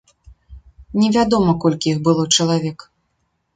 Невядома, колькі іх было чалавек.